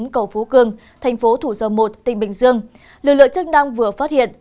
cầu phú cương tp thủ dâu một tỉnh bình dương lực lượng chức năng vừa phát hiện